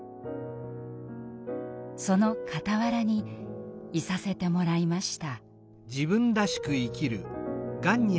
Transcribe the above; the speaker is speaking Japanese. その傍らにいさせてもらいました。